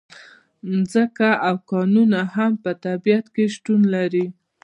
ځمکه او کانونه هم په طبیعت کې شتون لري.